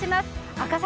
赤坂